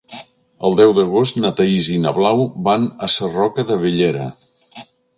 El deu d'agost na Thaís i na Blau van a Sarroca de Bellera.